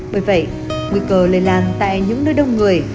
bởi vậy nguy cơ lây lan tại những nơi đông người